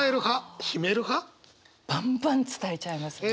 バンバン伝えちゃいますね。